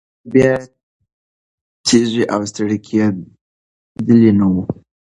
غازيان به بیا تږي او ستړي کېدلي نه وو.